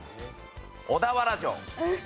小田原城。